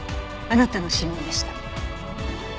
あなたの指紋でした。